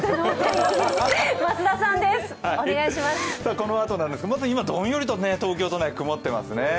このあとなんですが、まず今どんよりと東京都内曇ってますね。